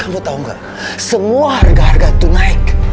kamu tau gak semua harga harga itu naik